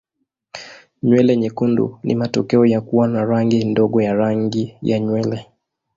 Nywele nyekundu ni matokeo ya kuwa na rangi ndogo ya rangi ya nywele.